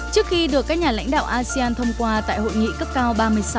trước khi được các nhà lãnh đạo asean thông qua tại hội nghị cấp cao ba mươi sáu